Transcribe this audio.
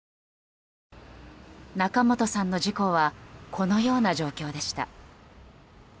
仲本さんの事故はこのような状況でした。